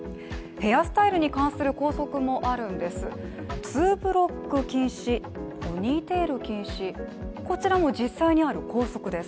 ヘアスタイルに関する校則もあるんです。